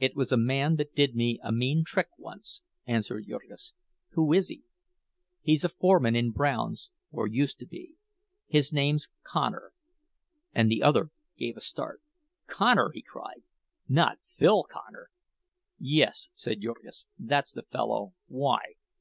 "It was a man that did me a mean trick once," answered Jurgis. "Who is he?" "He's a foreman in Brown's or used to be. His name's Connor." And the other gave a start. "Connor!" he cried. "Not Phil Connor!" "Yes," said Jurgis, "that's the fellow. Why?"